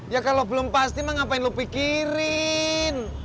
ya kalo belum pasti mah ngapain lo pikirin